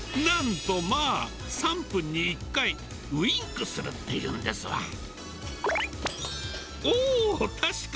なんとまあ、３分に１回、ウインクするっていうんですわ。